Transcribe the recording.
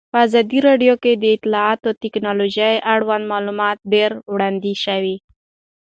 په ازادي راډیو کې د اطلاعاتی تکنالوژي اړوند معلومات ډېر وړاندې شوي.